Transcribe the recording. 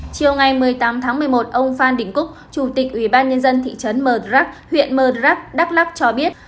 chiều ngày một mươi tám một mươi một ông phan đình cúc chủ tịch ubnd thị trấn mờ rắc huyện mờ rắc đắk lắc cho biết